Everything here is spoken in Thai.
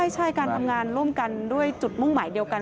ใช่การทำงานร่วมกันด้วยจุดมุ่งหมายเดียวกัน